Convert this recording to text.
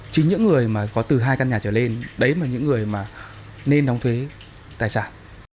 chính những người mà có từ hai căn nhà trở lên đấy là những người mà nên đóng thuế tài sản